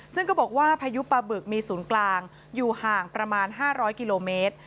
ซึ่งก็บอกว่าพายุปลาบึกมีศูนย์กลางอยู่ห่างประมาณ๕๐๐กิโลเมตร